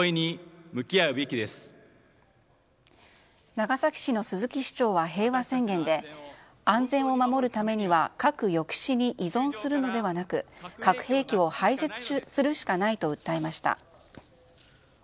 長崎市の鈴木市長は平和宣言で、安全を守るためには核抑止に依存するのではなく核兵器を廃絶するしかないと訴えました。